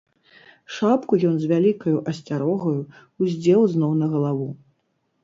Шапку ён з вялікаю асцярогаю ўздзеў зноў на галаву.